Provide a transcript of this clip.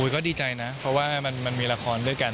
ก็ดีใจนะเพราะว่ามันมีละครด้วยกัน